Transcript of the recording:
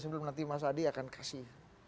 sebelum nanti mas adi akan kasih